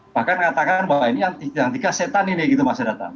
bahkan katakan bahwa yang tiga setan ini masih datang